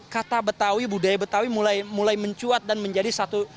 kata betawi budaya betawi mulai mencuat dan menjadi satu